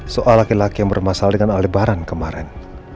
soal laki laki yang bermasalah dengan aldebaran kemaren